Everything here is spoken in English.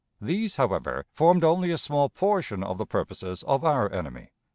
These, however, formed only a small portion of the purposes of our enemy.